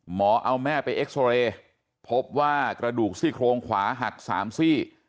หมอเอาแม่ไปเอ็กซอเรย์พบว่ากระดูกซี่โครงขวาหัก๓ซี่